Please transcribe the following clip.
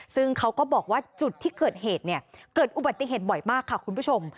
ซึ่งเขาก็บอกว่าจุดที่เกิดเหตุเนี่ยเกิดอุบัติเหตุบ่อยมากค่ะคุณผู้ชม